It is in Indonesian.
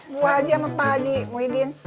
buah aja sama apa haji muhyiddin